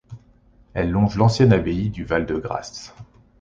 Elle longe l'ancienne abbaye du Val-de-Grâce.